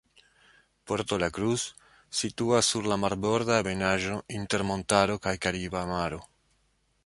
Puerto la Cruz situas sur la marborda ebenaĵo inter montaro kaj Kariba Maro.